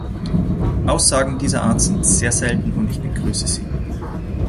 Aussagen dieser Art sind sehr selten, und ich begrüße sie.